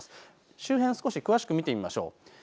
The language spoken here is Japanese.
周辺少し詳しく見てみましょう。